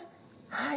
はい。